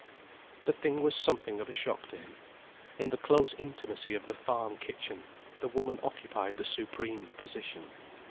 The thing was something of a shock to him. In the close intimacy of the farm kitchen, the woman occupied the supreme position.